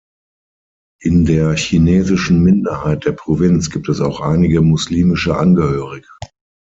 In der chinesischen Minderheit der Provinz gibt es auch einige muslimische Angehörige.